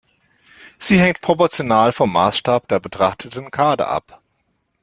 Sie hängt proportional vom Maßstab der betrachteten Karte ab.